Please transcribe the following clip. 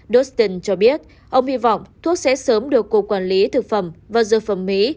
dostin cho biết ông hy vọng thuốc sẽ sớm được cục quản lý thực phẩm và dược phẩm mỹ